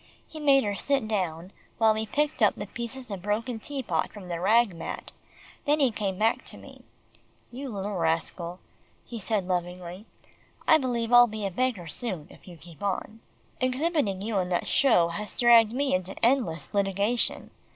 He made her sit down, while he picked up the pieces of broken tea pot from the rag mat, then he came back to me. "You little rascal," he said lovingly, "I believe I'll be a beggar soon, if you keep on. Exhibiting you in that show has dragged me into endless litigation.